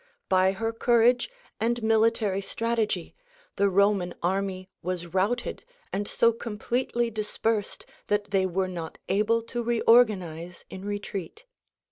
By her courage and military strategy the Roman armj^ was routed and so completely dispersed that they were not able to reorganize in retreat.